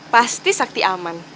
pasti sakti aman